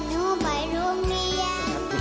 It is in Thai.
หนูเป็นเด็กขยันทุกกว่านหนูไปร่วมเหลี้ย